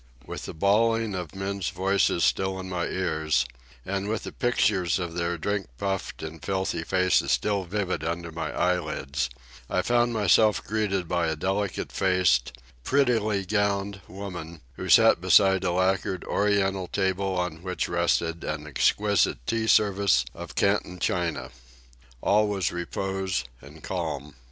With the bawling of the men's voices still in my ears, and with the pictures of their drink puffed and filthy faces still vivid under my eyelids, I found myself greeted by a delicate faced, prettily gowned woman who sat beside a lacquered oriental table on which rested an exquisite tea service of Canton china. All was repose and calm.